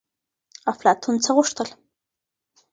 افلاطون څه غوښتل؟